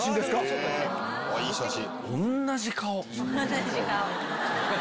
いい写真。